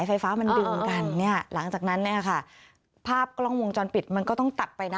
ไฟฟ้ามันดึงกันเนี่ยหลังจากนั้นเนี่ยค่ะภาพกล้องวงจรปิดมันก็ต้องตัดไปนะ